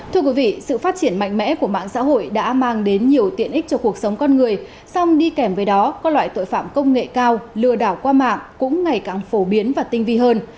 thưa quý vị sự phát triển mạnh mẽ của mạng xã hội đã mang đến nhiều tiện ích cho cuộc sống con người song đi kèm với đó các loại tội phạm công nghệ cao lừa đảo qua mạng cũng ngày càng phổ biến và tinh vi hơn